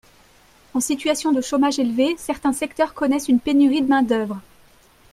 En situation de chômage élevé, certains secteurs connaissent une pénurie de main d’œuvre.